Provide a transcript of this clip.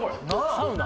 サウナ？